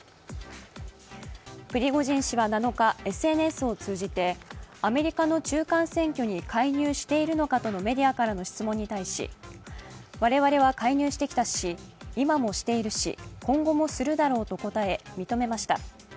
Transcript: プリゴジン氏は７日、ＳＮＳを通じてアメリカの中間選挙に介入しているのかとのメディアからの質問に対し我々は介入してきたし、今もしているし今後もするだろうと答え認めました。